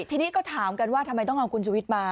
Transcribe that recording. ทีนี้ก็ถามกันว่าทำไมต้องเอาคุณชุวิตมา